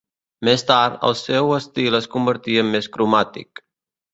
Més tard, el seu estil es convertí en més cromàtic.